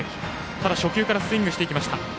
ただ初球からスイングしていきました。